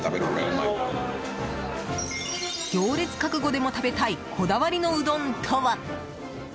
行列覚悟でも食べたいこだわりのうどんとは？